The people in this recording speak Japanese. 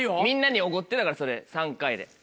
みんなにおごってそれ３回で。